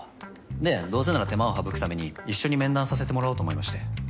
でどうせなら手間を省くために一緒に面談させてもらおうと思いまして。